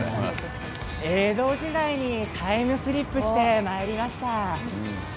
江戸時代にタイムスリップしたようになりました。